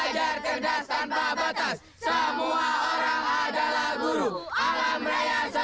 jadi saya tetap sekolah sekolah formal